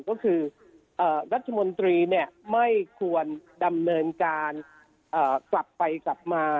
ก็คือเอ่อนัครมนตรีเนี่ยควรดำเนินการกลับไปกลับมา